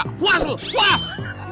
kuas lu kuas